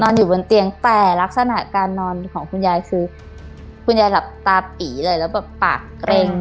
อยู่บนเตียงแต่ลักษณะการนอนของคุณยายคือคุณยายหลับตาปีเลยแล้วแบบปากเกร็ง